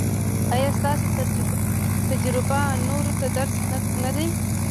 ایا ستاسو تجربه نورو ته درس نه دی؟